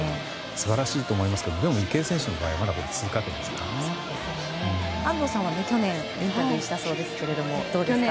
素晴らしいと思いますがでも池江選手の場合は安藤さんは去年インタビューしたそうですがどうでしたか？